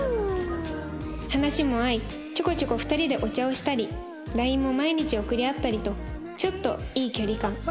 話も合いちょこちょこ２人でお茶をしたり ＬＩＮＥ も毎日送り合ったりとちょっといい距離感